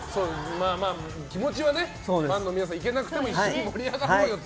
気持ちはファンの皆さん行けなくても一緒に盛り上がろうと。